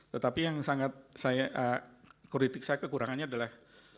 tetapi yang sangat saya kritik saya kekurangannya adalah